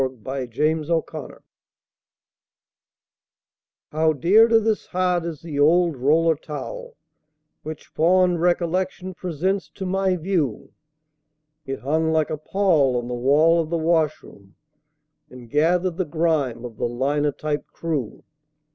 THE OLD ROLLER TOWEL How dear to this heart is the old roller towel Which fond recollection presents to my view. It hung like a pall on the wall of the washroom, And gathered the grime of the linotype crew.